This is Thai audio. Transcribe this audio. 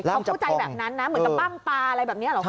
เขาเข้าใจแบบนั้นนะเหมือนกับปั้งปลาอะไรแบบนี้เหรอคะ